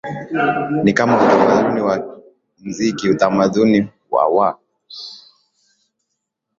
ni kama utamaduni wa muziki utamaduni wa wa